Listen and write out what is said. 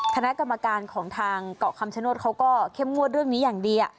คณะกรรมการของทางเกาะคำชโนธเขาก็เข้มงวดเรื่องนี้อย่างดี